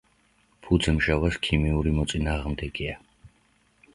ფუძე მჟავას ქიმიური მოწინააღმდეგეა.